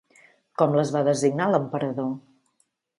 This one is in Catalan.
Com les va designar l'emperador?